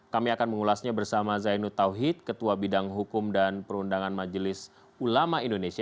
kami akan mengulasnya bersama zainud tauhid ketua bidang hukum dan perundangan majelis ulama indonesia